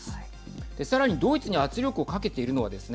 さらにドイツに圧力をかけているのはですね